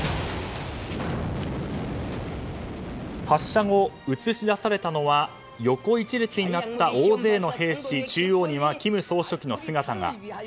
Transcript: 発射後、映し出されたのは横一列になった大勢の兵士と中央には金総書記の姿が。